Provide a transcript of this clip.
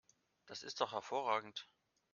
Das ist doch hervorragend!